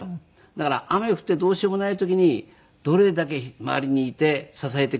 「だから雨降ってどうしようもない時にどれだけ周りにいて支えてくれるか」